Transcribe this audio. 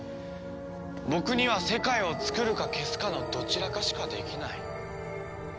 僕には世界をつくるか消すかのどちらかしかできない。